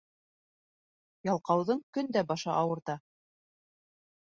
Ялҡауҙың көн дә башы ауырта.